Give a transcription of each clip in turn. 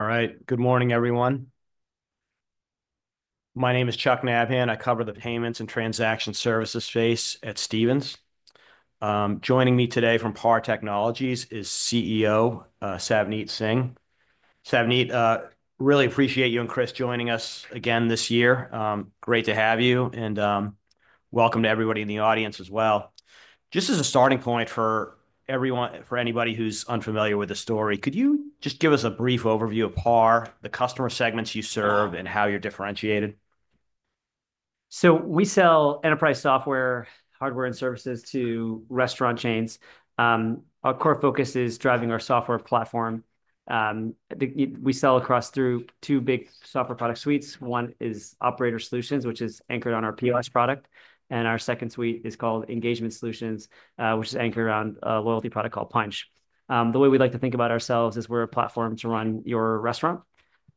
All right, good morning, everyone. My name is Chuck Nabhan. I cover the payments and transaction services space at Stephens. Joining me today from PAR Technology is CEO Savneet Singh. Savneet, really appreciate you and Chris joining us again this year. Great to have you, and welcome to everybody in the audience as well. Just as a starting point for anybody who's unfamiliar with the story, could you just give us a brief overview of PAR, the customer segments you serve, and how you're differentiated? So we sell enterprise software, hardware, and services to restaurant chains. Our core focus is driving our software platform. We sell across through two big software product suites. One is Operator Solutions, which is anchored on our POS product. And our second suite is called Engagement Solutions, which is anchored on a loyalty product called Punchh. The way we like to think about ourselves is we're a platform to run your restaurant.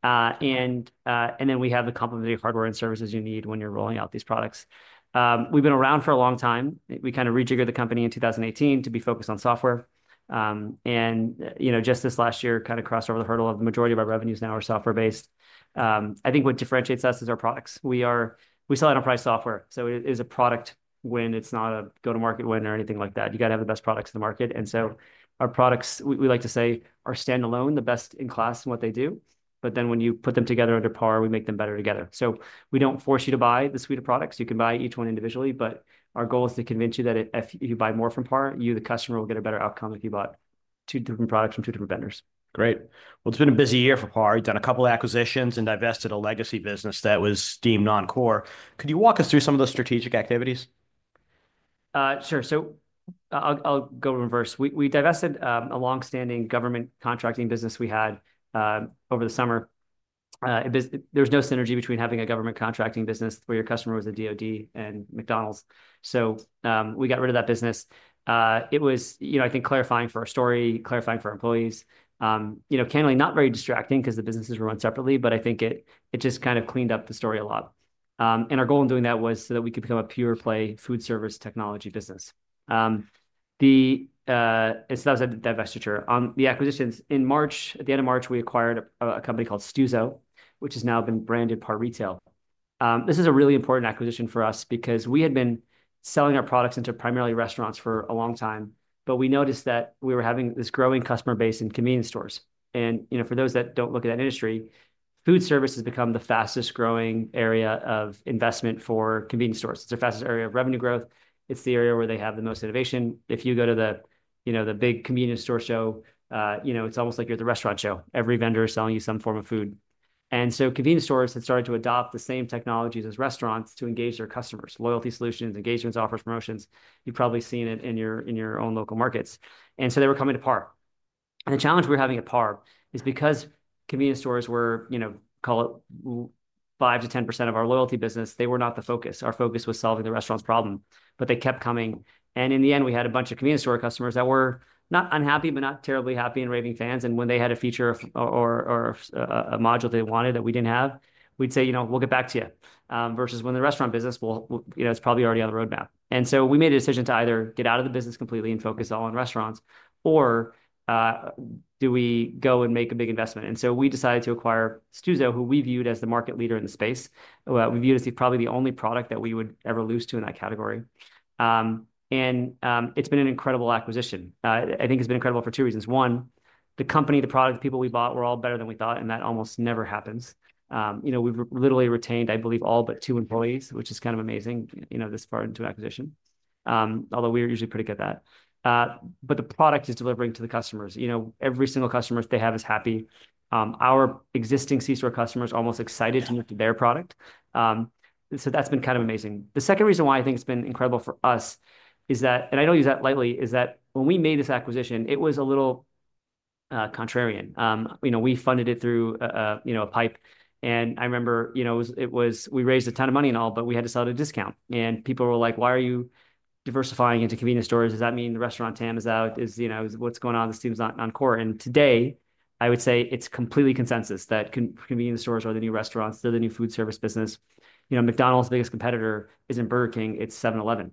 And then we have the complementary hardware and services you need when you're rolling out these products. We've been around for a long time. We kind of rejiggered the company in 2018 to be focused on software. And just this last year kind of crossed over the hurdle of the majority of our revenues now are software-based. I think what differentiates us is our products. We sell enterprise software. So it is a product when it's not a go-to-market win or anything like that. You got to have the best products in the market. And so our products, we like to say, are standalone, the best in class in what they do. But then when you put them together under PAR, we make them better together. So we don't force you to buy the suite of products. You can buy each one individually. But our goal is to convince you that if you buy more from PAR, you, the customer, will get a better outcome if you bought two different products from two different vendors. Great. Well, it's been a busy year for PAR. You've done a couple of acquisitions and divested a legacy business that was deemed non-core. Could you walk us through some of those strategic activities? Sure. So I'll go reverse. We divested a long-standing government contracting business we had over the summer. There was no synergy between having a government contracting business where your customer was a DOD and McDonald's. So we got rid of that business. It was, I think, clarifying for our story, clarifying for our employees. Candidly, not very distracting because the businesses were run separately, but I think it just kind of cleaned up the story a lot, and our goal in doing that was so that we could become a pure-play food service technology business, and so that was a divestiture. On the acquisitions, in March, at the end of March, we acquired a company called Stuzo, which has now been branded PAR Retail. This is a really important acquisition for us because we had been selling our products into primarily restaurants for a long time. But we noticed that we were having this growing customer base in convenience stores. And for those that don't look at that industry, food service has become the fastest-growing area of investment for convenience stores. It's their fastest area of revenue growth. It's the area where they have the most innovation. If you go to the big convenience store show, it's almost like you're at the restaurant show. Every vendor is selling you some form of food. And so convenience stores had started to adopt the same technologies as restaurants to engage their customers: loyalty solutions, engagements, offers, promotions. You've probably seen it in your own local markets. And so they were coming to PAR. And the challenge we were having at PAR is because convenience stores were, call it, 5%-10% of our loyalty business, they were not the focus. Our focus was solving the restaurant's problem. But they kept coming. And in the end, we had a bunch of convenience store customers that were not unhappy, but not terribly happy and raving fans. And when they had a feature or a module they wanted that we didn't have, we'd say, "We'll get back to you," versus when the restaurant business, it's probably already on the roadmap. And so we made a decision to either get out of the business completely and focus all on restaurants, or do we go and make a big investment? And so we decided to acquire Stuzo, who we viewed as the market leader in the space. We viewed as probably the only product that we would ever lose to in that category. And it's been an incredible acquisition. I think it's been incredible for two reasons. One, the company, the product, the people we bought were all better than we thought, and that almost never happens. We've literally retained, I believe, all but two employees, which is kind of amazing this far into acquisition, although we are usually pretty good at that. But the product is delivering to the customers. Every single customer they have is happy. Our existing C-store customers are almost excited to move to their product. So that's been kind of amazing. The second reason why I think it's been incredible for us is that, and I don't use that lightly, is that when we made this acquisition, it was a little contrarian. We funded it through a PIPE. And I remember it was we raised a ton of money and all, but we had to sell at a discount. And people were like, "Why are you diversifying into convenience stores? Does that mean the restaurant TAM is out? What's going on? This seems non-core." And today, I would say it's completely consensus that convenience stores are the new restaurants. They're the new food service business. McDonald's' biggest competitor isn't Burger King. It's 7-Eleven.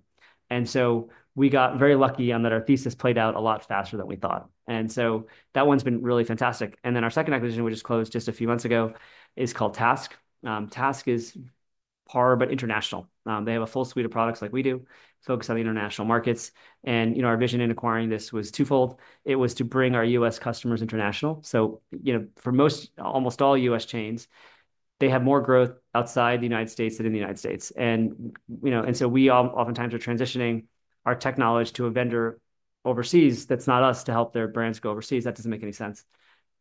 And so we got very lucky on that our thesis played out a lot faster than we thought. And so that one's been really fantastic. And then our second acquisition, which was closed just a few months ago, is called Task Group. Task Group is PAR, but international. They have a full suite of products like we do, focused on the international markets. And our vision in acquiring this was twofold. It was to bring our U.S. customers international. So for almost all U.S. chains, they have more growth outside the United States than in the United States. And so we oftentimes are transitioning our technology to a vendor overseas that's not us to help their brands go overseas. That doesn't make any sense.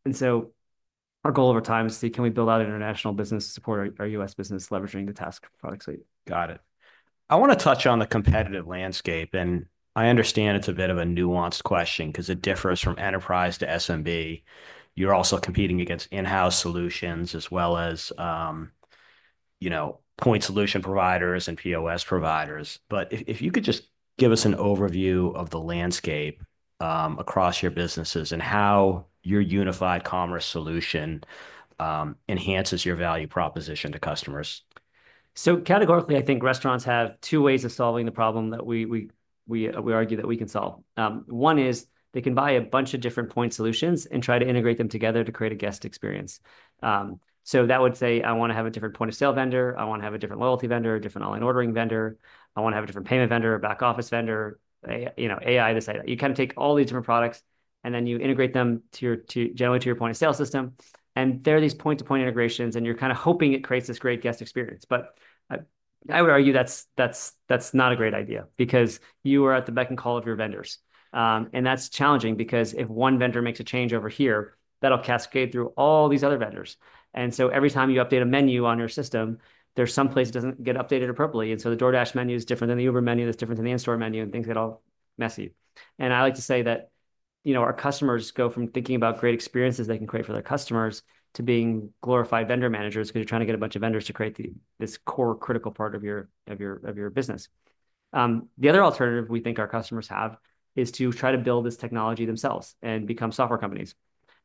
And so our goal over time is to see can we build out international business, support our U.S. business leveraging the Task Group product suite. Got it. I want to touch on the competitive landscape. And I understand it's a bit of a nuanced question because it differs from enterprise to SMB. You're also competing against in-house solutions as well as point solution providers and POS providers. But if you could just give us an overview of the landscape across your businesses and how your unified commerce solution enhances your value proposition to customers. So categorically, I think restaurants have two ways of solving the problem that we argue that we can solve. One is they can buy a bunch of different point solutions and try to integrate them together to create a guest experience. So that would say, "I want to have a different point of sale vendor. I want to have a different loyalty vendor, a different online ordering vendor. I want to have a different payment vendor, a back office vendor, AI," this idea. You kind of take all these different products, and then you integrate them generally to your point of sale system. And there are these point-to-point integrations, and you're kind of hoping it creates this great guest experience. But I would argue that's not a great idea because you are at the beck and call of your vendors. That's challenging because if one vendor makes a change over here, that'll cascade through all these other vendors. So every time you update a menu on your system, there's some place it doesn't get updated appropriately. So the DoorDash menu is different than the Uber menu that's different than the In-store menu, and things get all messy. I like to say that our customers go from thinking about great experiences they can create for their customers to being glorified vendor managers because you're trying to get a bunch of vendors to create this core critical part of your business. The other alternative we think our customers have is to try to build this technology themselves and become software companies.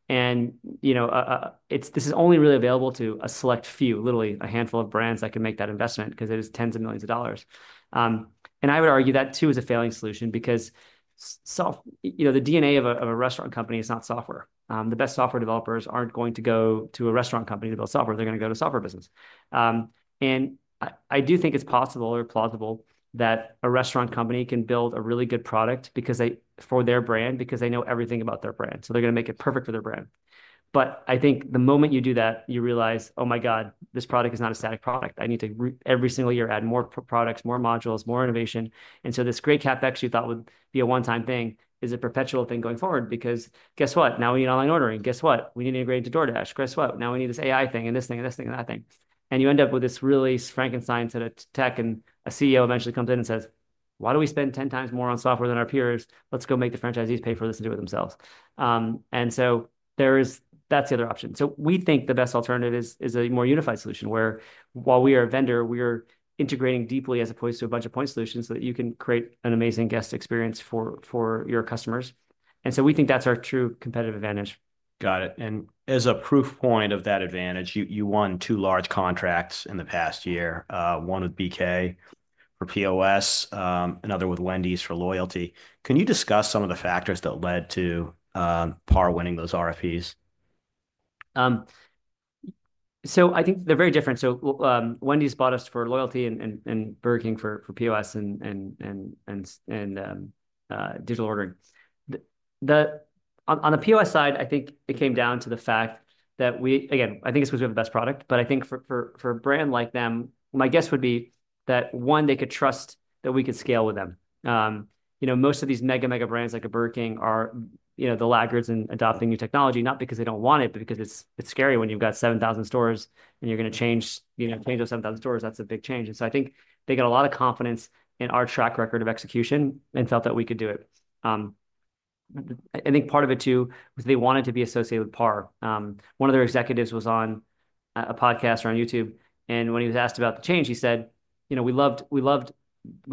This is only really available to a select few, literally a handful of brands that can make that investment because it is tens of millions of dollars. I would argue that too is a failing solution because the DNA of a restaurant company is not software. The best software developers aren't going to go to a restaurant company to build software. They're going to go to a software business. I do think it's possible or plausible that a restaurant company can build a really good product for their brand because they know everything about their brand. They're going to make it perfect for their brand. I think the moment you do that, you realize, "Oh my God, this product is not a static product. I need to every single year add more products, more modules, more innovation." And so this great CapEx you thought would be a one-time thing is a perpetual thing going forward because guess what? Now we need online ordering. Guess what? We need to integrate into DoorDash. Guess what? Now we need this AI thing and this thing and this thing and that thing. And you end up with this really Frankenstein set of tech, and a CEO eventually comes in and says, "Why do we spend 10 times more on software than our peers? Let's go make the franchisees pay for this and do it themselves." And so that's the other option. We think the best alternative is a more unified solution where, while we are a vendor, we are integrating deeply as opposed to a bunch of point solutions so that you can create an amazing guest experience for your customers. We think that's our true competitive advantage. Got it. And as a proof point of that advantage, you won two large contracts in the past year, one with BK for POS, another with Wendy's for loyalty. Can you discuss some of the factors that led to PAR winning those RFPs? So I think they're very different. So Wendy's bought us for loyalty and Burger King for POS and digital ordering. On the POS side, I think it came down to the fact that we, again, I think it's because we have the best product. But I think for a brand like them, my guess would be that, one, they could trust that we could scale with them. Most of these mega, mega brands like a Burger King are the laggards in adopting new technology, not because they don't want it, but because it's scary when you've got 7,000 stores and you're going to change those 7,000 stores. That's a big change. And so I think they got a lot of confidence in our track record of execution and felt that we could do it. I think part of it too was they wanted to be associated with PAR. One of their executives was on a podcast or on YouTube. And when he was asked about the change, he said, "We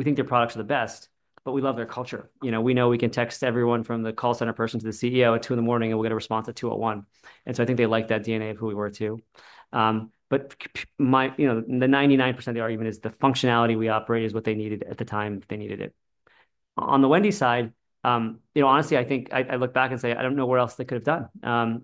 think their products are the best, but we love their culture. We know we can text everyone from the call center person to the CEO at 2:00 A.M., and we'll get a response at 2:01 A.M." And so I think they liked that DNA of who we were too. But the 99% of the argument is the functionality we operate is what they needed at the time that they needed it. On the Wendy's side, honestly, I think I look back and say, "I don't know where else they could have done."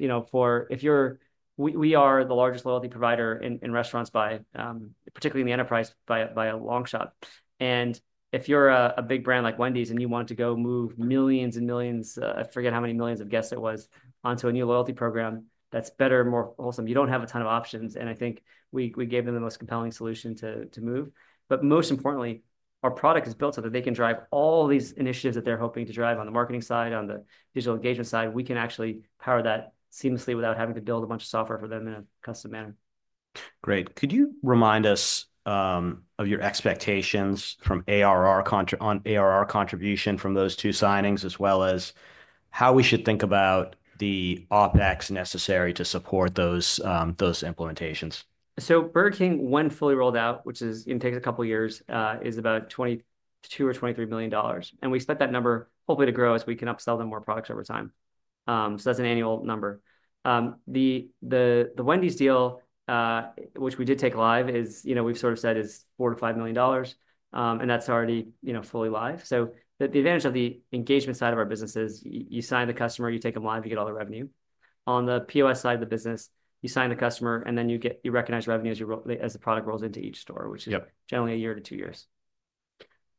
If you're the largest loyalty provider in restaurants, particularly in the enterprise, by a long shot. And if you're a big brand like Wendy's and you want to go move millions and millions, I forget how many millions of guests it was, onto a new loyalty program, that's better, more wholesome. You don't have a ton of options. And I think we gave them the most compelling solution to move. But most importantly, our product is built so that they can drive all these initiatives that they're hoping to drive on the marketing side, on the digital engagement side. We can actually power that seamlessly without having to build a bunch of software for them in a custom manner. Great. Could you remind us of your expectations on ARR contribution from those two signings as well as how we should think about the OpEx necessary to support those implementations? Burger King, when fully rolled out, which takes a couple of years, is about $22 million or $23 million. We expect that number hopefully to grow as we can upsell them more products over time. That's an annual number. The Wendy's deal, which we did take live, we've sort of said is $4 million-$5 million. That's already fully live. The advantage of the engagement side of our business is you sign the customer, you take them live, you get all the revenue. On the POS side of the business, you sign the customer, and then you recognize revenue as the product rolls into each store, which is generally a year to two years.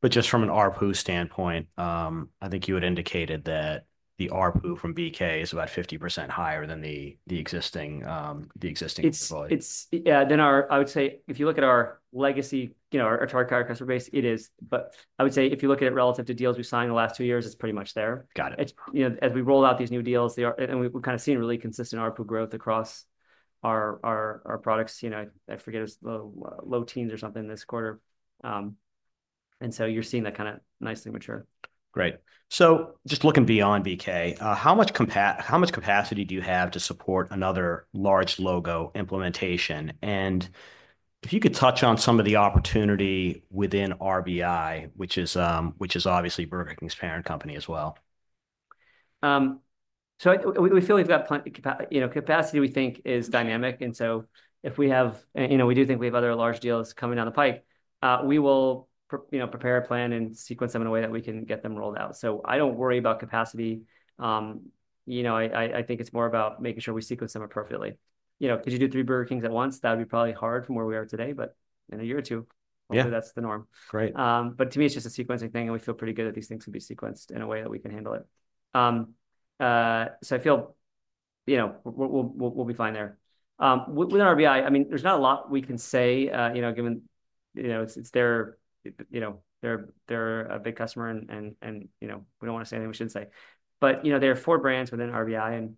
But just from an RPU standpoint, I think you had indicated that the RPU from BK is about 50% higher than the existing employees. Yeah. Then I would say if you look at our legacy, our entire customer base, it is. But I would say if you look at it relative to deals we signed in the last two years, it's pretty much there. Got it. As we roll out these new deals, and we've kind of seen really consistent RPU growth across our products. I forget it was low teens or something this quarter. And so you're seeing that kind of nicely mature. Great. So just looking beyond BK, how much capacity do you have to support another large logo implementation? And if you could touch on some of the opportunity within RBI, which is obviously Burger King's parent company as well. So we feel we've got capacity. We think it is dynamic. And so if we have—we do think we have other large deals coming down the pike—we will prepare, plan, and sequence them in a way that we can get them rolled out. So I don't worry about capacity. I think it's more about making sure we sequence them appropriately. Could you do three Burger Kings at once? That would be probably hard from where we are today, but in a year or two, hopefully that's the norm. But to me, it's just a sequencing thing, and we feel pretty good that these things can be sequenced in a way that we can handle it. So I feel we'll be fine there. With RBI, I mean, there's not a lot we can say, given it's their—they're a big customer, and we don't want to say anything we shouldn't say. But there are four brands within RBI, and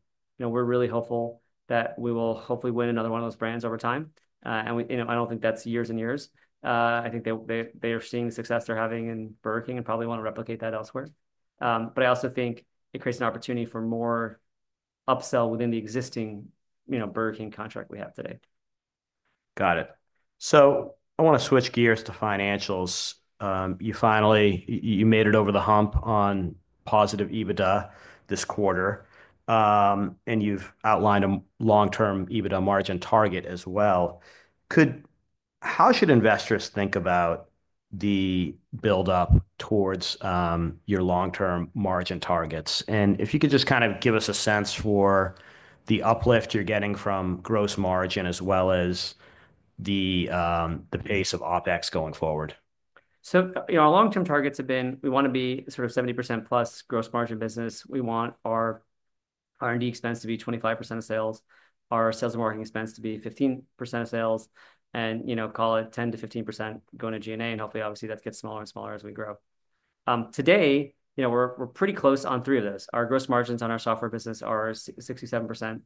we're really hopeful that we will hopefully win another one of those brands over time. And I don't think that's years and years. I think they are seeing the success they're having in Burger King and probably want to replicate that elsewhere. But I also think it creates an opportunity for more upsell within the existing Burger King contract we have today. Got it. So I want to switch gears to financials. You made it over the hump on positive EBITDA this quarter, and you've outlined a long-term EBITDA margin target as well. How should investors think about the build-up towards your long-term margin targets? And if you could just kind of give us a sense for the uplift you're getting from gross margin as well as the pace of OpEx going forward. Our long-term targets have been we want to be sort of 70%+ gross margin business. We want our R&D expense to be 25% of sales, our sales and marketing expense to be 15% of sales, and call it 10%-15% going to G&A. And hopefully, obviously, that gets smaller and smaller as we grow. Today, we're pretty close on three of those. Our gross margins on our software business are 67%.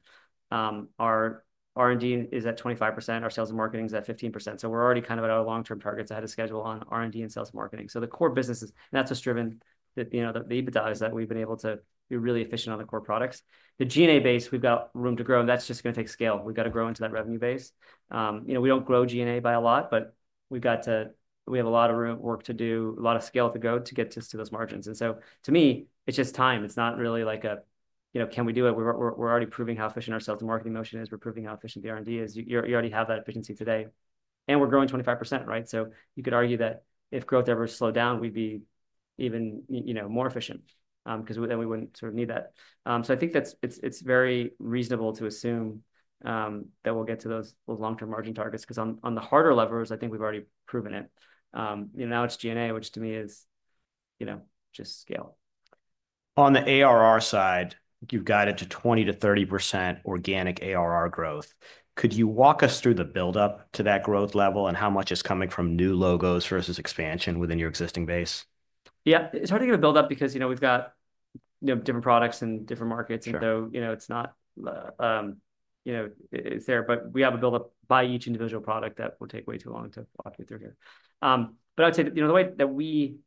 Our R&D is at 25%. Our sales and marketing is at 15%. So we're already kind of at our long-term targets ahead of schedule on R&D and sales and marketing. So the core businesses, that's what's driven the EBITDA, is that we've been able to be really efficient on the core products. The G&A base, we've got room to grow, and that's just going to take scale. We've got to grow into that revenue base. We don't grow G&A by a lot, but we have a lot of room to work to do, a lot of scale to go to get to those margins, and so to me, it's just time. It's not really like, "Can we do it?" We're already proving how efficient our sales and marketing motion is. We're proving how efficient the R&D is. You already have that efficiency today, and we're growing 25%, right? You could argue that if growth ever slowed down, we'd be even more efficient because then we wouldn't sort of need that. I think it's very reasonable to assume that we'll get to those long-term margin targets because on the harder levers, I think we've already proven it. Now it's G&A, which to me is just scale. On the ARR side, you've guided to 20%-30% organic ARR growth. Could you walk us through the build-up to that growth level and how much is coming from new logos versus expansion within your existing base? Yeah. It's hard to get a build-up because we've got different products in different markets. And so it's not there. But we have a build-up by each individual product that will take way too long to walk you through here. But I would say the way that we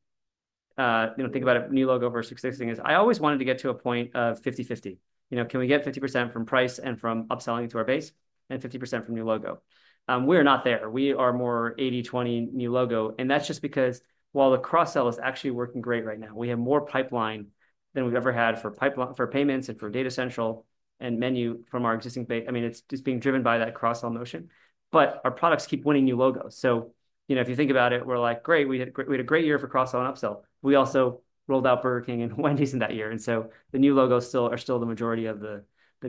think about a new logo versus existing is I always wanted to get to a point of 50/50. Can we get 50% from price and from upselling to our base and 50% from new logo? We are not there. We are more 80/20 new logo. And that's just because while the cross-sell is actually working great right now, we have more pipeline than we've ever had for payments and for Data Central and MENU from our existing base. I mean, it's just being driven by that cross-sell motion. But our products keep winning new logos. So if you think about it, we're like, "Great. We had a great year for cross-sell and upsell." We also rolled out Burger King and Wendy's in that year. And so the new logos are still the majority of the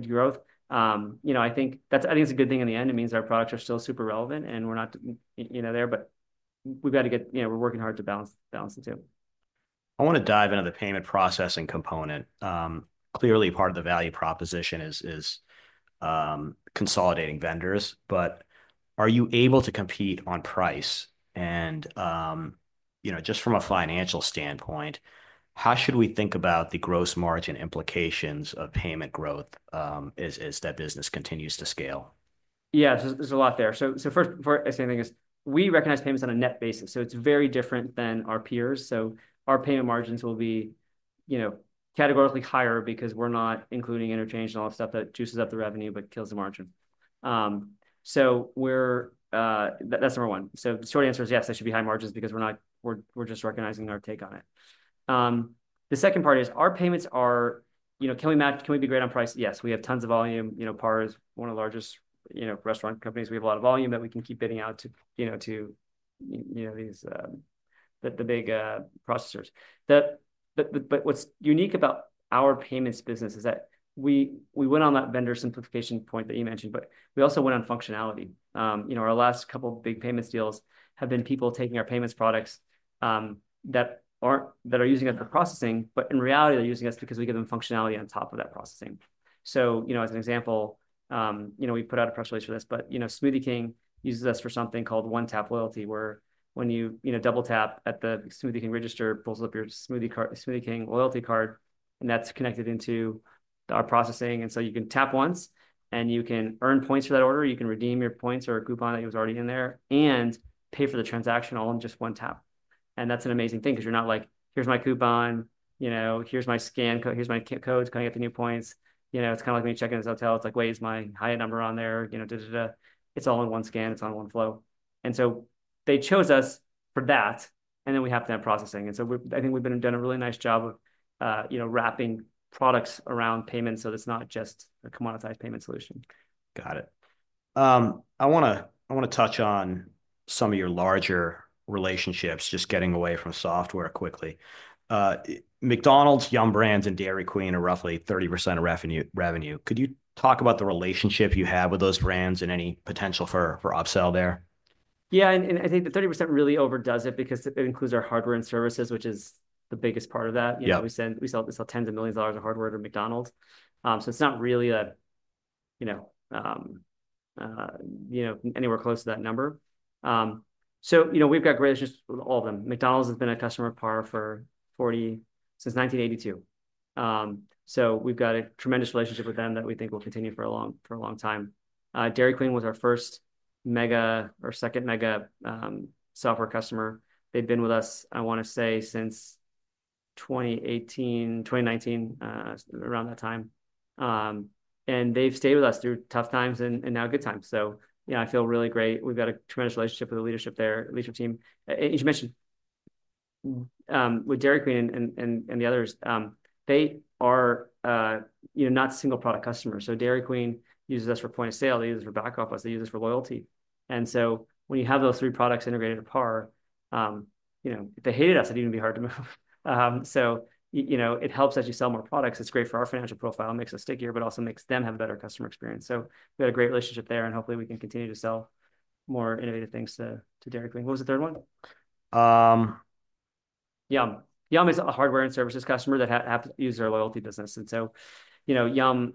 growth. I think that's a good thing in the end. It means our products are still super relevant, and we're not there. But we've got to get—we're working hard to balance the two. I want to dive into the payment processing component. Clearly, part of the value proposition is consolidating vendors. But are you able to compete on price? And just from a financial standpoint, how should we think about the gross margin implications of payment growth as that business continues to scale? Yeah. There's a lot there. So first, I say the thing is we recognize payments on a net basis. So it's very different than our peers. So our payment margins will be categorically higher because we're not including interchange and all that stuff that juices up the revenue but kills the margin. So that's number one. So the short answer is yes, there should be high margins because we're just recognizing our take on it. The second part is our payments are. Can we be great on price? Yes. We have tons of volume. PAR is one of the largest restaurant companies. We have a lot of volume, but we can keep bidding out to the big processors. But what's unique about our payments business is that we went on that vendor simplification point that you mentioned, but we also went on functionality. Our last couple of big payments deals have been people taking our payments products that are using us for processing, but in reality, they're using us because we give them functionality on top of that processing. So as an example, we put out a press release for this. But Smoothie King uses us for something called One Tap Loyalty, where when you double-tap at the Smoothie King register, it pulls up your Smoothie King loyalty card, and that's connected into our processing. And so you can tap once, and you can earn points for that order. You can redeem your points or a coupon that was already in there and pay for the transaction all in just one tap. And that's an amazing thing because you're not like, "Here's my coupon. Here's my scan code. Here's my codes. Can I get the new points?" It's kind of like when you check into this hotel. It's like, "Wait, is my Hyatt number on there?" It's all in one scan. It's on one flow, and so they chose us for that, and then we have to have processing, and so I think we've done a really nice job of wrapping products around payments so that it's not just a commoditized payment solution. Got it. I want to touch on some of your larger relationships, just getting away from software quickly. McDonald's, Yum! Brands, and Dairy Queen are roughly 30% of revenue. Could you talk about the relationship you have with those brands and any potential for upsell there? Yeah. And I think the 30% really overdoes it because it includes our hardware and services, which is the biggest part of that. We sell tens of millions of dollars of hardware to McDonald's. So it's not really anywhere close to that number. So we've got great relationships with all of them. McDonald's has been a customer of PAR since 1982. So we've got a tremendous relationship with them that we think will continue for a long time. Dairy Queen was our first mega or second mega software customer. They've been with us, I want to say, since 2018, 2019, around that time. And they've stayed with us through tough times and now good times. So I feel really great. We've got a tremendous relationship with the leadership there, leadership team. As you mentioned, with Dairy Queen and the others, they are not single product customers. Dairy Queen uses us for point of sale. They use us for back-office. They use us for loyalty. And so when you have those three products integrated to PAR, if they hated us, it'd even be hard to move. So it helps as you sell more products. It's great for our financial profile. It makes us stickier, but also makes them have a better customer experience. So we've got a great relationship there, and hopefully, we can continue to sell more innovative things to Dairy Queen. What was the third one? Uhm. Yum. Yum is a hardware and services customer that uses our loyalty business. And so Yum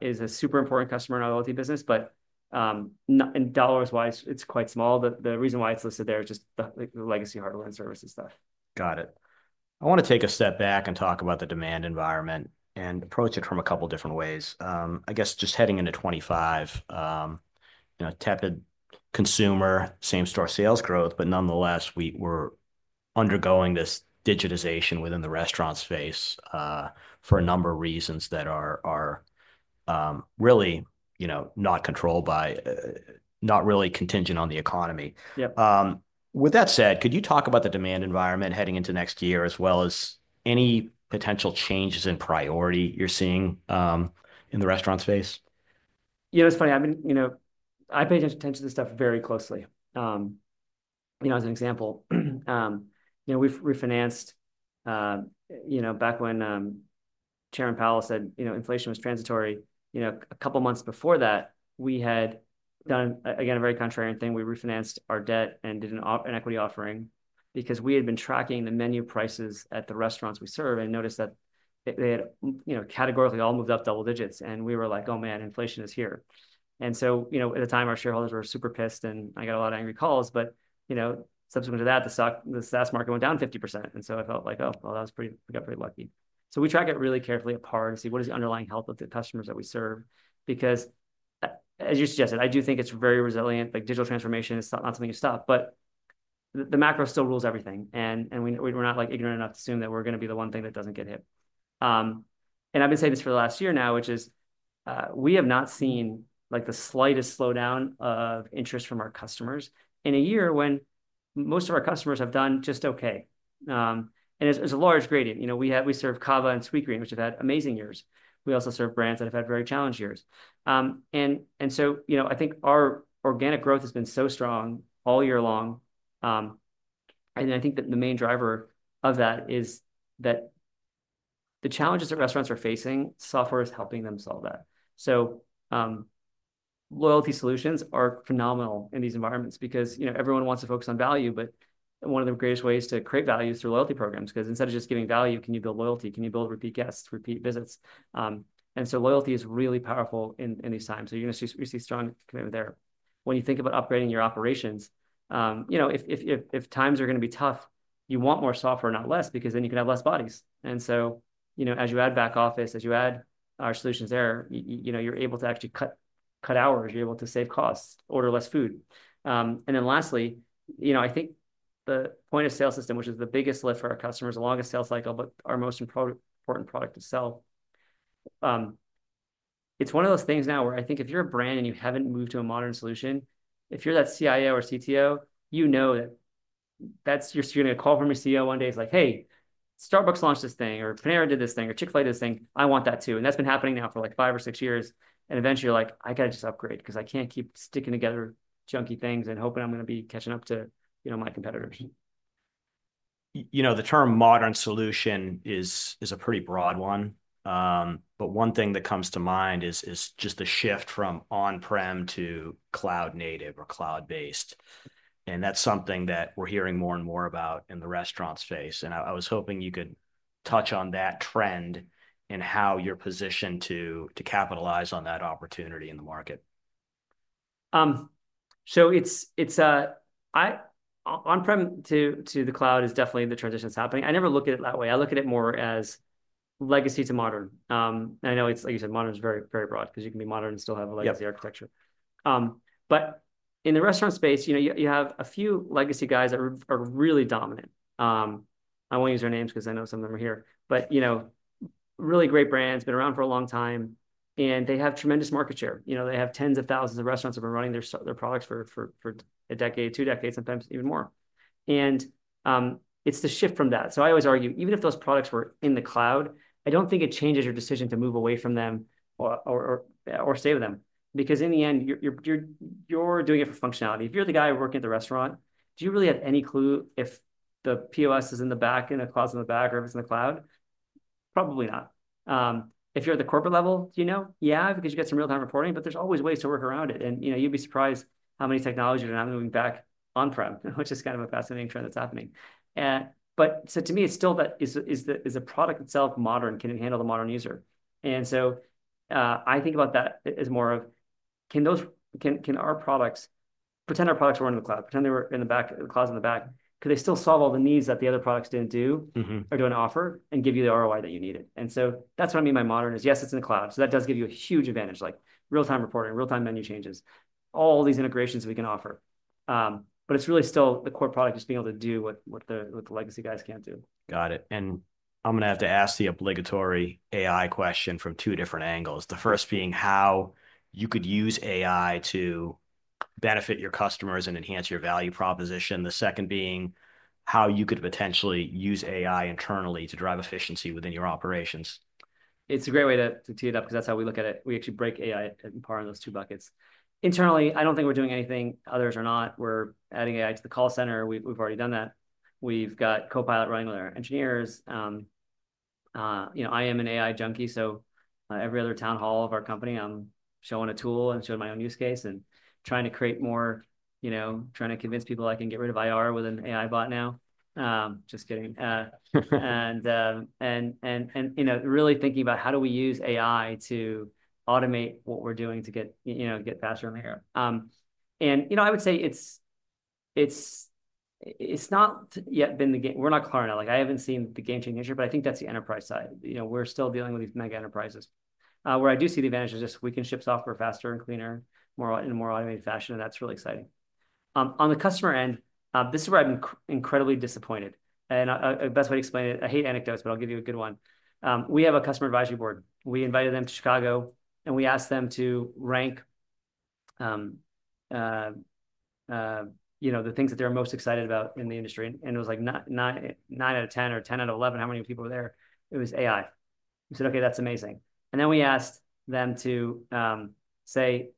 is a super important customer in our loyalty business, but in dollars-wise, it's quite small. The reason why it's listed there is just the legacy hardware and services stuff. Got it. I want to take a step back and talk about the demand environment and approach it from a couple of different ways. I guess just heading into 2025, tapped-out consumer, same-store sales growth, but nonetheless, we're undergoing this digitization within the restaurant space for a number of reasons that are really not controlled by, not really contingent on the economy. With that said, could you talk about the demand environment heading into next year as well as any potential changes in priority you're seeing in the restaurant space? It's funny. I pay attention to this stuff very closely. As an example, we refinanced back when Chairman Powell said inflation was transitory. A couple of months before that, we had done, again, a very contrarian thing. We refinanced our debt and did an equity offering because we had been tracking the menu prices at the restaurants we serve and noticed that they had categorically all moved up double digits. And we were like, "Oh man, inflation is here." And so at the time, our shareholders were super pissed, and I got a lot of angry calls. But subsequent to that, the SaaS market went down 50%. And so I felt like, "Oh, well, we got pretty lucky." So we track it really carefully at PAR to see what is the underlying health of the customers that we serve. Because as you suggested, I do think it's very resilient. Digital transformation is not something you stop, but the macro still rules everything, and we're not ignorant enough to assume that we're going to be the one thing that doesn't get hit, and I've been saying this for the last year now, which is we have not seen the slightest slowdown of interest from our customers in a year when most of our customers have done just okay, and there's a large gradient. We serve CAVA and Sweetgreen, which have had amazing years. We also serve brands that have had very challenged years, and so I think our organic growth has been so strong all year long, and I think that the main driver of that is that the challenges that restaurants are facing, software is helping them solve that. Loyalty solutions are phenomenal in these environments because everyone wants to focus on value, but one of the greatest ways to create value is through loyalty programs because instead of just giving value, can you build loyalty? Can you build repeat guests, repeat visits? And so loyalty is really powerful in these times. You're going to see strong commitment there. When you think about upgrading your operations, if times are going to be tough, you want more software, not less, because then you can have less bodies. And so as you add back office, as you add our solutions there, you're able to actually cut hours. You're able to save costs, order less food. And then lastly, I think the point of sale system, which is the biggest lift for our customers, the longest sales cycle, but our most important product to sell. It's one of those things now where I think if you're a brand and you haven't moved to a modern solution, if you're that CIO or CTO, you know that you're going to get a call from your CEO one day. It's like, "Hey, Starbucks launched this thing," or "Panera did this thing," or "Chick-fil-A did this thing. I want that too." And that's been happening now for like five or six years. And eventually, you're like, "I got to just upgrade because I can't keep sticking together junky things and hoping I'm going to be catching up to my competitors. The term modern solution is a pretty broad one. But one thing that comes to mind is just the shift from on-prem to cloud-native or cloud-based. And that's something that we're hearing more and more about in the restaurant space. And I was hoping you could touch on that trend and how you're positioned to capitalize on that opportunity in the market. So on-prem to the cloud is definitely the transition that's happening. I never look at it that way. I look at it more as legacy to modern. And I know it's, like you said, modern is very, very broad because you can be modern and still have a legacy architecture. But in the restaurant space, you have a few legacy guys that are really dominant. I won't use their names because I know some of them are here. But really great brands, been around for a long time. And they have tremendous market share. They have tens of thousands of restaurants that have been running their products for a decade, two decades, sometimes even more. And it's the shift from that. So I always argue, even if those products were in the cloud, I don't think it changes your decision to move away from them or stay with them. Because in the end, you're doing it for functionality. If you're the guy working at the restaurant, do you really have any clue if the POS is in the back in a closet in the back or if it's in the cloud? Probably not. If you're at the corporate level, do you know? Yeah, because you get some real-time reporting. But there's always ways to work around it. And you'd be surprised how many technologies are now moving back on-prem, which is kind of a fascinating trend that's happening. But so to me, it's still that: is the product itself modern? Can it handle the modern user? And so I think about that as more of, can our products pretend our products were in the cloud? Pretend they were in the clouds in the back. Could they still solve all the needs that the other products didn't do or didn't offer and give you the ROI that you needed? And so that's what I mean by modern is, yes, it's in the cloud. So that does give you a huge advantage, like real-time reporting, real-time menu changes, all these integrations we can offer. But it's really still the core product is being able to do what the legacy guys can't do. Got it, and I'm going to have to ask the obligatory AI question from two different angles. The first being how you could use AI to benefit your customers and enhance your value proposition. The second being how you could potentially use AI internally to drive efficiency within your operations. It's a great way to tee it up because that's how we look at it. We actually break AI at PAR into those two buckets. Internally, I don't think we're doing anything others are not. We're adding AI to the call center. We've already done that. We've got Copilot running with our engineers. I am an AI junkie. So every other town hall of our company, I'm showing a tool and showing my own use case and trying to create more, trying to convince people I can get rid of IR with an AI bot now. Just kidding. Really thinking about how we use AI to automate what we're doing to get faster on the air. I would say it's not yet been a game changer. We're not calling it out. I haven't seen the game change this year, but I think that's the enterprise side. We're still dealing with these mega enterprises where I do see the advantage of just we can ship software faster and cleaner in a more automated fashion, and that's really exciting. On the customer end, this is where I'm incredibly disappointed, and the best way to explain it, I hate anecdotes, but I'll give you a good one. We have a customer advisory board. We invited them to Chicago, and we asked them to rank the things that they're most excited about in the industry, and it was like 9 out of 10 or 10 out of 11, how many people were there? It was AI. We said, "Okay, that's amazing," and then we asked them to say,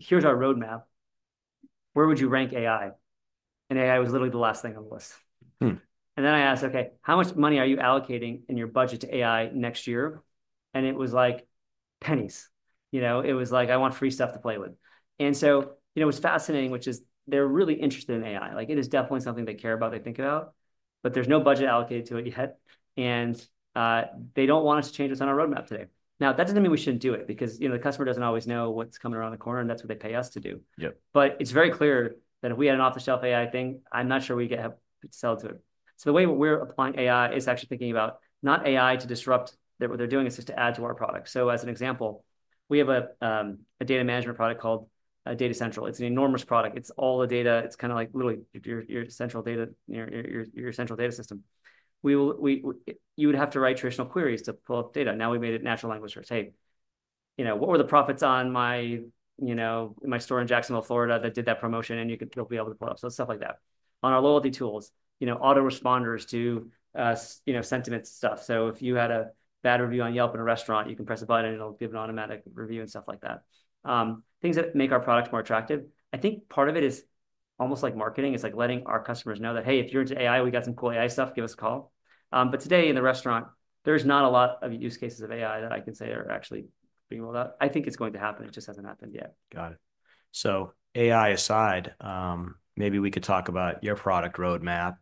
"Here's our roadmap. Where would you rank AI?" and AI was literally the last thing on the list. And then I asked, "Okay, how much money are you allocating in your budget to AI next year?" And it was like, "Pennies." It was like, "I want free stuff to play with." And so it was fascinating, which is they're really interested in AI. It is definitely something they care about, they think about. But there's no budget allocated to it yet. And they don't want us to change what's on our roadmap today. Now, that doesn't mean we shouldn't do it because the customer doesn't always know what's coming around the corner, and that's what they pay us to do. Yep. But it's very clear that if we had an off-the-shelf AI thing, I'm not sure we could sell to it. So the way we're applying AI is actually thinking about not AI to disrupt what they're doing, it's just to add to our product. So as an example, we have a data management product called Data Central. It's an enormous product. It's all the data. It's kind of like literally your central data, your central data system. You would have to write traditional queries to pull up data. Now we made it natural language first. Hey, what were the profits on my store in Jacksonville, Florida that did that promotion? And you'll be able to pull it up. So it's stuff like that. On our loyalty tools, autoresponders do sentiment stuff. So if you had a bad review on Yelp in a restaurant, you can press a button, and it'll give an automatic review and stuff like that. Things that make our product more attractive. I think part of it is almost like marketing. It's like letting our customers know that, "Hey, if you're into AI, we got some cool AI stuff. Give us a call," but today in the restaurant, there's not a lot of use cases of AI that I can say are actually being rolled out. I think it's going to happen. It just hasn't happened yet. Got it. So AI aside, maybe we could talk about your product roadmap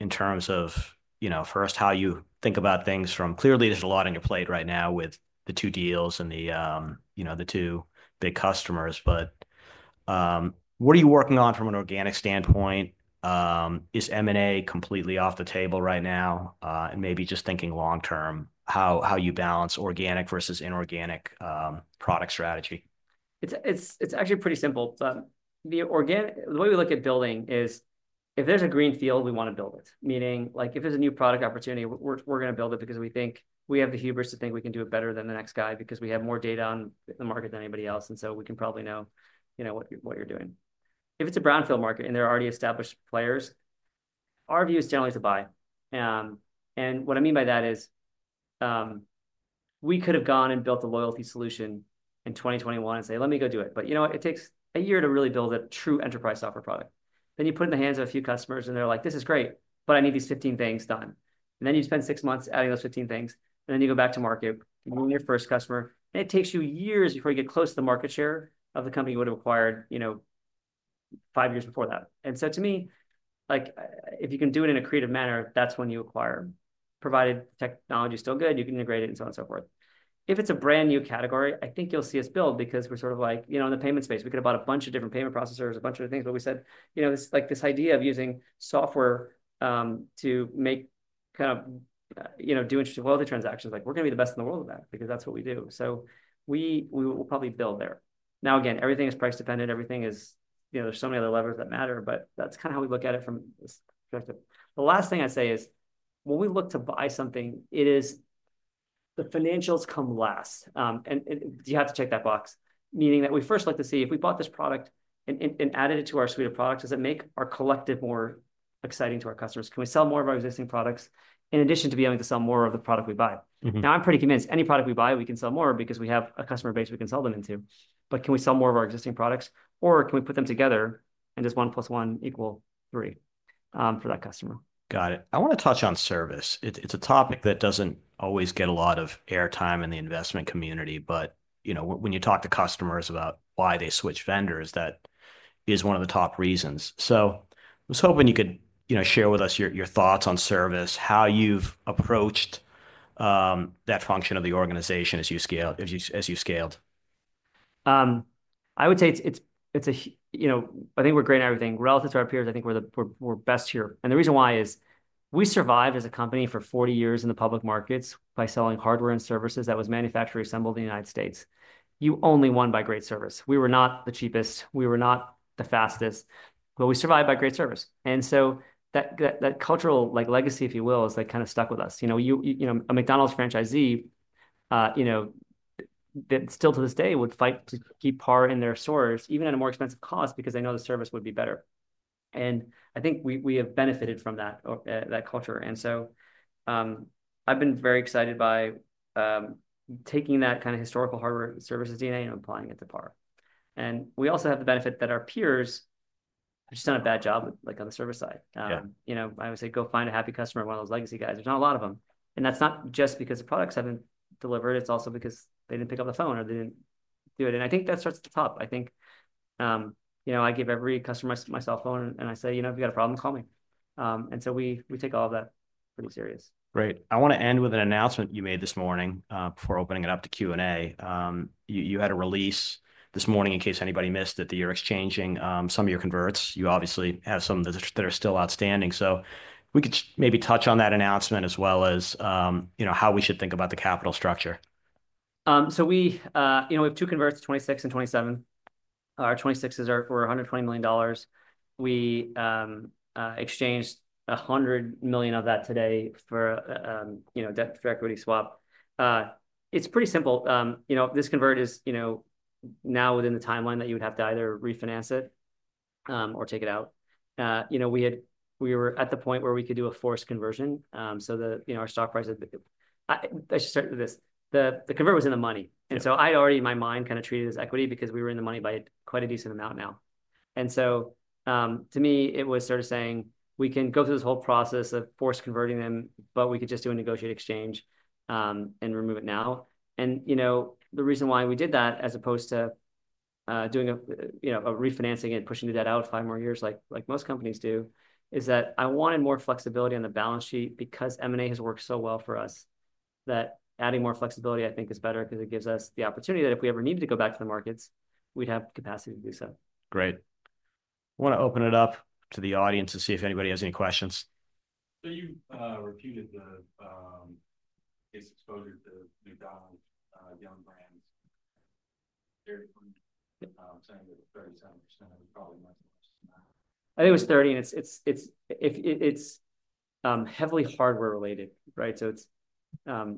in terms of first how you think about things from clearly there's a lot on your plate right now with the two deals and the two big customers. But what are you working on from an organic standpoint? Is M&A completely off the table right now? And maybe just thinking long-term, how you balance organic versus inorganic product strategy? It's actually pretty simple. The way we look at building is if there's a greenfield, we want to build it. Meaning if there's a new product opportunity, we're going to build it because we think we have the hubris to think we can do it better than the next guy because we have more data on the market than anybody else, and so we can probably know what you're doing. If it's a brownfield market and there are already established players, our view is generally to buy, and what I mean by that is we could have gone and built a loyalty solution in 2021 and say, "Let me go do it," but it takes a year to really build a true enterprise software product. Then you put it in the hands of a few customers, and they're like, "This is great, but I need these 15 things done." And then you spend six months adding those 15 things. And then you go back to market, you win your first customer. And it takes you years before you get close to the market share of the company you would have acquired five years before that. And so to me, if you can do it in a creative manner, that's when you acquire. Provided technology is still good, you can integrate it and so on and so forth. If it's a brand new category, I think you'll see us build because we're sort of like in the payment space. We could have bought a bunch of different payment processors, a bunch of different things. But we said this idea of using software to make kind of do interesting loyalty transactions. We're going to be the best in the world with that because that's what we do. So we will probably build there. Now, again, everything is price dependent. There's so many other levers that matter, but that's kind of how we look at it from this perspective. The last thing I'd say is when we look to buy something, it is the financials come last. And you have to check that box. Meaning that we first like to see if we bought this product and added it to our suite of products, does it make our collective more exciting to our customers? Can we sell more of our existing products in addition to being able to sell more of the product we buy? Now, I'm pretty convinced any product we buy, we can sell more because we have a customer base we can sell them into. But can we sell more of our existing products? Or can we put them together and just one plus one equal three for that customer? Got it. I want to touch on service. It's a topic that doesn't always get a lot of airtime in the investment community. But when you talk to customers about why they switch vendors, that is one of the top reasons. So I was hoping you could share with us your thoughts on service, how you've approached that function of the organization as you scaled. I would say I think we're great at everything. Relative to our peers, I think we're best here, and the reason why is we survived as a company for 40 years in the public markets by selling hardware and services that was manufactured, assembled in the United States. You only won by great service. We were not the cheapest. We were not the fastest, but we survived by great service, and so that cultural legacy, if you will, has kind of stuck with us. A McDonald's franchisee still to this day would fight to keep PAR in their stores, even at a more expensive cost because they know the service would be better, and I think we have benefited from that culture, and so I've been very excited by taking that kind of historical hardware service as DNA and applying it to PAR. And we also have the benefit that our peers have just done a bad job on the service side. I always say go find a happy customer, one of those legacy guys. There's not a lot of them. And that's not just because the products haven't delivered. It's also because they didn't pick up the phone or they didn't do it. And I think that starts at the top. I think I give every customer my cell phone and I say, "If you've got a problem, call me." And so we take all of that pretty serious. Great. I want to end with an announcement you made this morning before opening it up to Q&A. You had a release this morning in case anybody missed that you're exchanging some of your converts. You obviously have some that are still outstanding. So we could maybe touch on that announcement as well as how we should think about the capital structure. We have two converts, 26 and 27. Our 26 is worth $120 million. We exchanged $100 million of that today for a debt for equity swap. It's pretty simple. This convert is now within the timeline that you would have to either refinance it or take it out. We were at the point where we could do a forced conversion. Our stock price had—I should start with this. The convert was in the money. And so I had already in my mind kind of treated it as equity because we were in the money by quite a decent amount now. And so to me, it was sort of saying we can go through this whole process of forced converting them, but we could just do a negotiated exchange and remove it now. The reason why we did that as opposed to doing a refinancing and pushing the debt out five more years like most companies do is that I wanted more flexibility on the balance sheet because M&A has worked so well for us that adding more flexibility, I think, is better because it gives us the opportunity that if we ever needed to go back to the markets, we'd have the capacity to do so. Great. I want to open it up to the audience to see if anybody has any questions. [You repeated the exposure to McDonald's, Yum! Brands, RBI, saying that 37% was probably much less.] I think it was 30, and it's heavily hardware related, right? So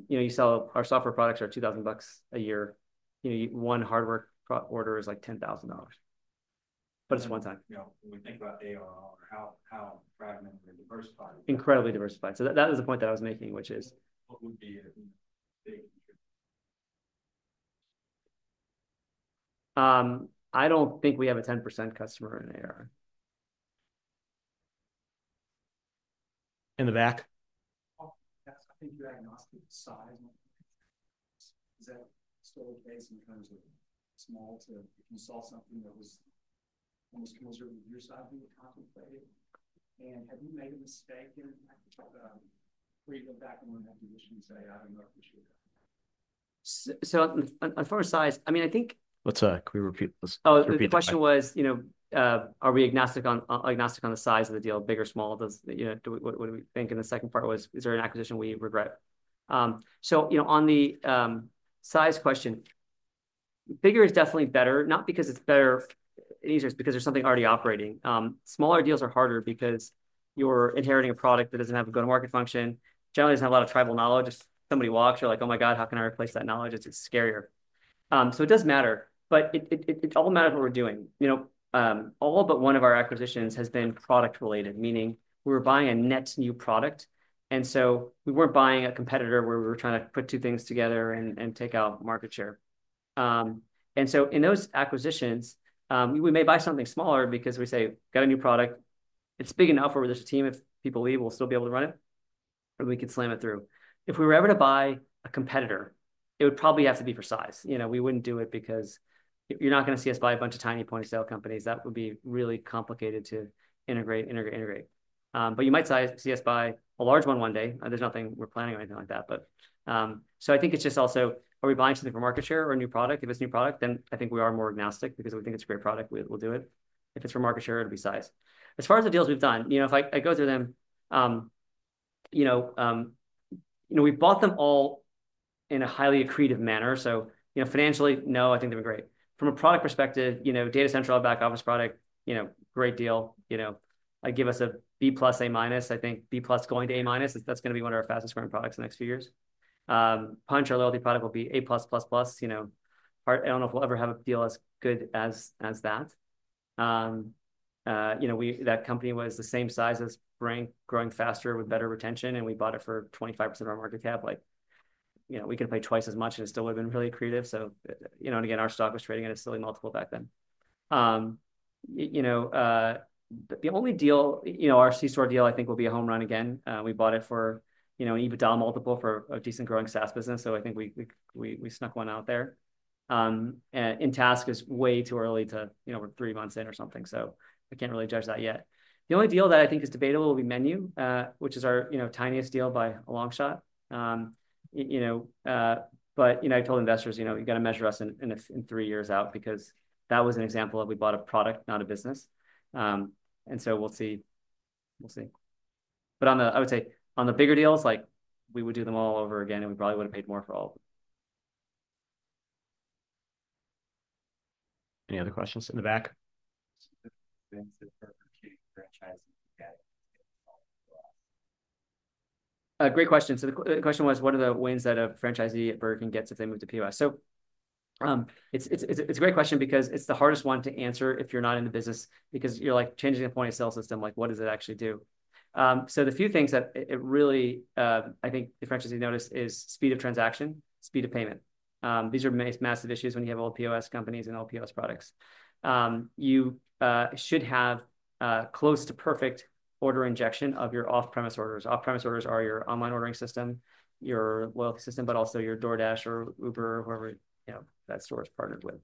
you sell our software products are 2,000 bucks a year. One hardware order is like $10,000, but it's one time. [When we think about ARR, how fragmented and diversified.] Incredibly diversified. So that was the point that I was making, which is. [What would be a big contributor?] I don't think we have a 10% customer in ARR. In the back? I think you're agnostic to size. Is that still the case in terms of small to—if you saw something that was almost closer to your size, you would contemplate it? And have you made a mistake in the go/no-go back when an acquisition, say, "I don't appreciate that"? So, on our size, I mean, I think. Let's repeat this. Oh, the question was, are we agnostic on the size of the deal, big or small? What do we think? And the second part was, is there an acquisition we regret? So on the size question, bigger is definitely better, not because it's better and easier, it's because there's something already operating. Smaller deals are harder because you're inheriting a product that doesn't have a go-to-market function. Generally, there's not a lot of tribal knowledge. If somebody walks, you're like, "Oh my God, how can I replace that knowledge?" It's scarier. So it does matter. But it all matters what we're doing. All but one of our acquisitions has been product related, meaning we were buying a net new product. And so we weren't buying a competitor where we were trying to put two things together and take out market share. In those acquisitions, we may buy something smaller because we say, "Got a new product. It's big enough where there's a team of people we will still be able to run it, or we can slam it through." If we were ever to buy a competitor, it would probably have to be for size. We wouldn't do it because you're not going to see us buy a bunch of tiny point of sale companies. That would be really complicated to integrate, integrate, integrate. But you might see us buy a large one one day. There's nothing we're planning or anything like that. I think it's just also, are we buying something for market share or a new product? If it's a new product, then I think we are more agnostic because we think it's a great product. We'll do it. If it's for market share, it'll be size. As far as the deals we've done, if I go through them, we bought them all in a highly accretive manner. So financially, no, I think they've been great. From a product perspective, Data Central, our back office product, great deal. I give us a B plus, A minus. I think B plus going to A minus, that's going to be one of our fastest growing products in the next few years. Punchh, our loyalty product will be A plus, plus, plus. I don't know if we'll ever have a deal as good as that. That company was the same size as Brink, growing faster with better retention. And we bought it for 25% of our market cap. We can play twice as much and still have been really creative. And again, our stock was trading at a silly multiple back then. The only deal, our C-store deal, I think will be a home run again. We bought it for an EBITDA multiple for a decent growing SaaS business. So I think we snuck one out there. And Task is way too early to—we're three months in or something. So I can't really judge that yet. The only deal that I think is debatable will be MENU, which is our tiniest deal by a long shot. But I told investors, "You got to measure us in three years out because that was an example of we bought a product, not a business." And so we'll see. We'll see. But I would say on the bigger deals, we would do them all over again, and we probably would have paid more for all of them. Any other questions in the back? great question. So the question was, what are the wins that a franchisee at Burger King gets if they move to POS? So it's a great question because it's the hardest one to answer if you're not in the business because you're changing a point of sale system. What does it actually do? So the few things that I think the franchisee noticed is speed of transaction, speed of payment. These are massive issues when you have all POS companies and all POS products. You should have close to perfect order injection of your off-premise orders. Off-premise orders are your online ordering system, your loyalty system, but also your DoorDash or Uber or whoever that store is partnered with.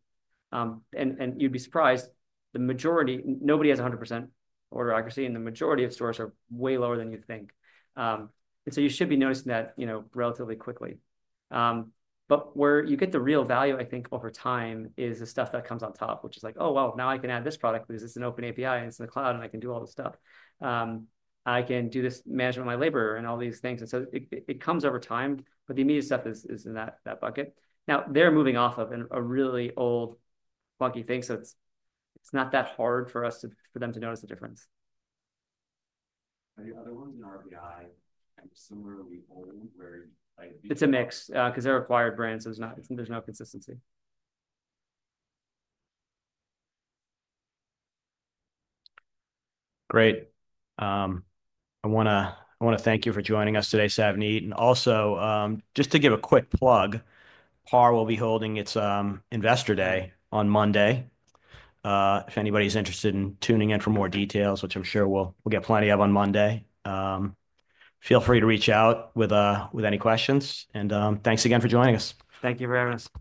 And you'd be surprised, nobody has 100% order accuracy, and the majority of stores are way lower than you think. And so you should be noticing that relatively quickly. But where you get the real value, I think, over time is the stuff that comes on top, which is like, "Oh, well, now I can add this product because it's an Open API and it's in the cloud, and I can do all this stuff. I can do this management of my labor and all these things." And so it comes over time, but the immediate stuff is in that bucket. Now, they're moving off of a really old, funky thing. So it's not that hard for them to notice the difference. Are the other ones in RBI similarly old where? It's a mix because they're acquired brands, so there's no consistency. Great. I want to thank you for joining us today, Savneet. Also, just to give a quick plug, PAR will be holding its investor day on Monday. If anybody's interested in tuning in for more details, which I'm sure we'll get plenty of on Monday, feel free to reach out with any questions. Thanks again for joining us. Thank you very much.